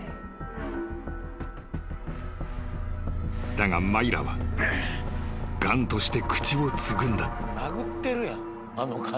［だがマイラはがんとして口をつぐんだ］